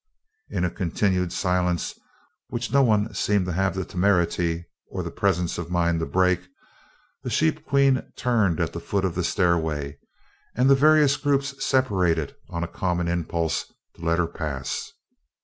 In a continued silence which no one seemed to have the temerity or the presence of mind to break, the Sheep Queen turned at the foot of the stairway, and the various groups separated on a common impulse to let her pass.